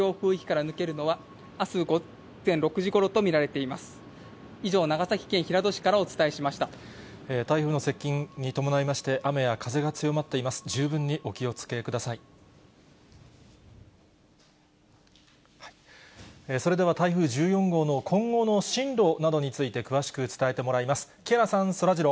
それでは台風１４号の今後の進路などについて、詳しく伝えてもらいます。